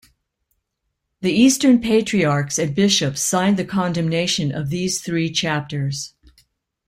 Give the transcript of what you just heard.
The Eastern patriarchs and bishops signed the condemnation of these Three Chapters.